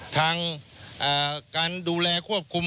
ทางการดูแลควบคุม